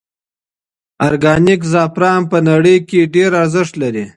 ارګانیک زعفران په نړۍ کې ډېر ارزښت لري.